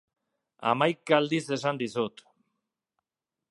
Hamaika aldiz esan dizut.